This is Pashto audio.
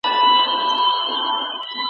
لا څومره جوړي هدیرې کړو د شهیدو وینو